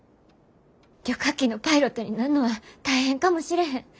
旅客機のパイロットになんのは大変かもしれへん。